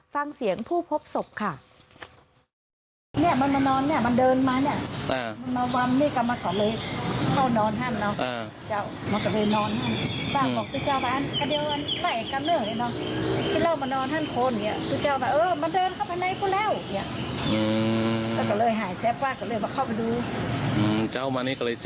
ฟังเสียงผู้พบศพค่ะ